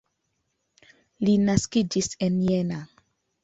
Li naskiĝis en Jena.